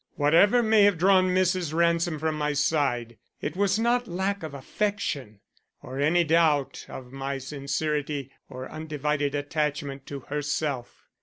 Whatever may have drawn Mrs. Ransom from my side, it was not lack of affection, or any doubt of my sincerity or undivided attachment to herself."